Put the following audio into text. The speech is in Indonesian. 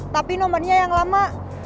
tapi nomernya yang lama